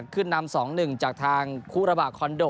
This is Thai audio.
ขึ้นนำ๒๑จากทางคู่ระบาดคอนโด